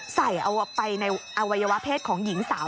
ใส่เอาไปในอวัยวะเพศของหญิงสาว